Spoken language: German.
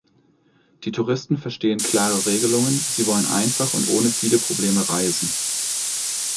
Die Touristen verstehen klare Regelungen, sie wollen einfach und ohne viele Probleme reisen.